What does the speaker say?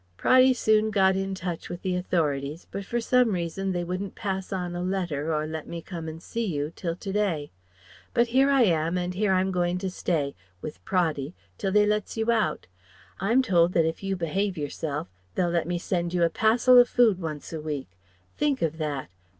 "Praddy soon got into touch with the authorities, but for some reason they wouldn't pass on a letter or let me come and see you, till to day. But here I am, and here I'm goin' to stay with Praddy till they lets you out. I'm told that if you be'ave yourself they'll let me send you a passel of food, once a week. Think of that!